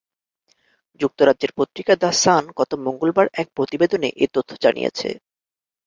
যুক্তরাজ্যের পত্রিকা the sun গত মঙ্গলবার এক প্রতিবেদনে এ তথ্য জানিয়েছে।